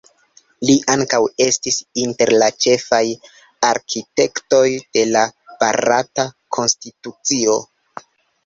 Li ankaŭ estis inter la ĉefaj arkitektoj de la Barata konstitucio.